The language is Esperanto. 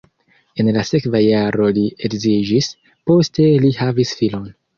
En la sekva jaro li edziĝis, poste li havis filon.